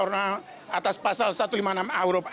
hukuman atas dalaman masks